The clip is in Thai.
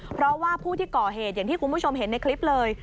เพราะว่าผู้ที่ก่อเหตุอย่างที่คุณผู้ชมเห็นในคลิปเลย